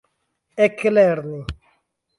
eklerni